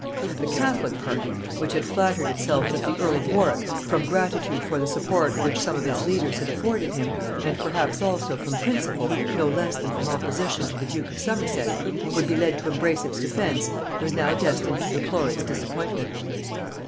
The catholic party, which had flattered itself that the earl of Warwick, from gratitude for the support which some of its leaders had afforded him, and perhaps also from principle, no less than from opposition to the duke of Somerset, would be led to embrace its defence, was now destined to deplore its disappointment.